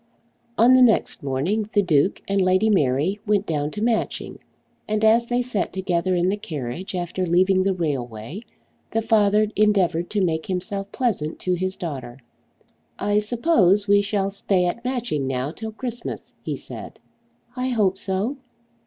On the next morning the Duke and Lady Mary went down to Matching, and as they sat together in the carriage after leaving the railway the father endeavoured to make himself pleasant to his daughter. "I suppose we shall stay at Matching now till Christmas," he said. "I hope so."